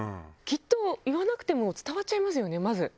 きっと言わなくても伝わっちゃいますよねまず。